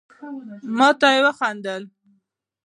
ما ته يي وخندل.